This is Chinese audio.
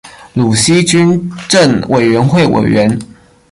鲁西军政委员会委员。